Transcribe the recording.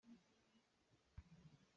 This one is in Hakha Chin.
Rawl na com lengmang ahcun a dih te lai.